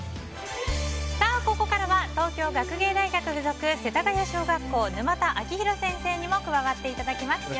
ここからは東京学芸大学付属世田谷小学校沼田晶弘先生にも加わっていただきます。